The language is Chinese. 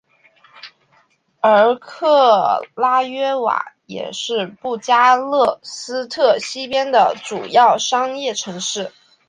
而克拉约瓦也是布加勒斯特西边的主要商业城市。